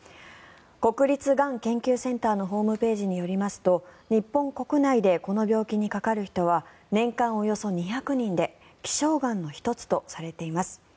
国立がん研究センターのホームページによりますと日本国内でこの病気にかかる人は年間およそ２００人で希少がんの１つとされています。